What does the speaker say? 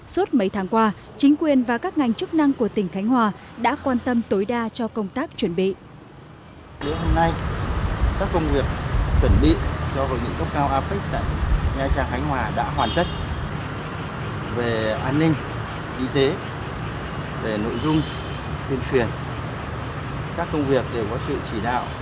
suốt mấy tháng qua chính quyền và các ngành chức năng của tỉnh khánh hòa đã quan tâm tối đa cho công tác chuẩn bị